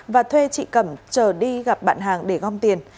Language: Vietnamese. và thuê chị cẩm trở đi gặp bạn hàng để gom tiền